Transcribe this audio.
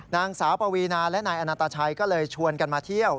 นางสาวปวีนาและนายอนาตาชัยก็เลยชวนกันมาเที่ยว